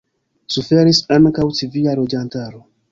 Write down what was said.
Suferis ankaŭ civila loĝantaro.